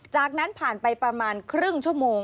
จากนั้นผ่านไปประมาณครึ่งชั่วโมง